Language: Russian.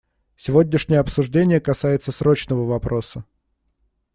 Сегодняшнее обсуждение касается срочного вопроса.